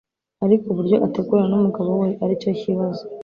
ariko uburyo ategurana n'umugabo we aricyo kibazo